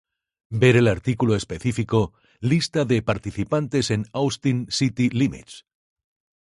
Ver el artículo específico: "Lista de participantes en Austin City Limits"